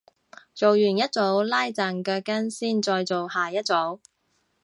做完一組拉陣腳筋先再做下一組